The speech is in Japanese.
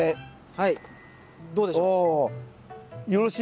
はい。